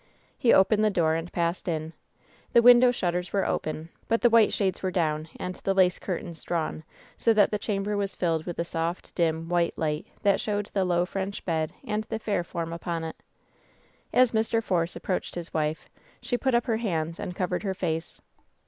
He opened the door and passed in. The window shut ters were open, but the white shades were down and the lace curtains drawn, so that the chamber was filled with a soft, dim, white light, that showed the low French bed and the fair form upon it. As Mr. Force approached his wife, she put up her hands and covered her face.